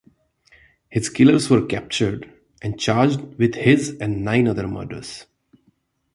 His killers were captured and charged with his and nine other murders.